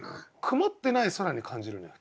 曇ってない空に感じるのよ。